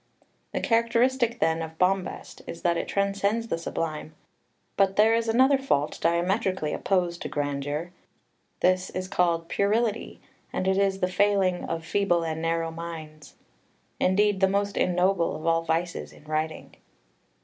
The characteristic, then, of bombast is that it transcends the Sublime: but there is another fault diametrically opposed to grandeur: this is called puerility, and it is the failing of feeble and narrow minds, indeed, the most ignoble of all vices in writing.